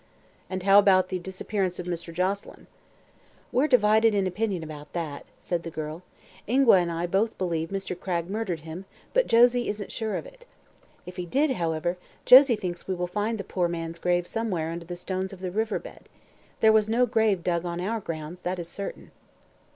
"And how about the disappearance of Mr. Joselyn?" "We're divided in opinion about that," said the girl. "Ingua and I both believe Mr. Cragg murdered him, but Josie isn't sure of it. If he did, however, Josie thinks we will find the poor man's grave somewhere under the stones of the river bed. There was no grave dug on our grounds, that is certain."